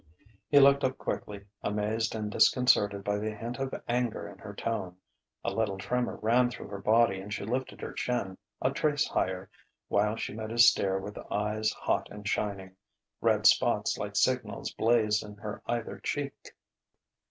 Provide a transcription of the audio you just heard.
He looked up quickly, amazed and disconcerted by the hint of anger in her tone. A little tremor ran through her body and she lifted her chin a trace higher while she met his stare with eyes hot and shining. Red spots like signals blazed in her either cheek.